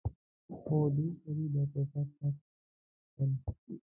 خو دې سړي دا ټوپک تاته اخيستل.